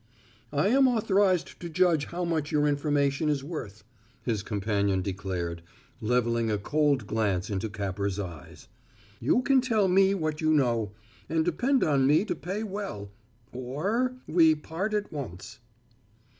"I am authorized to judge how much your information is worth," his companion declared, leveling a cold glance into Capper's eyes. "You can tell me what you know, and depend on me to pay well, or we part at once."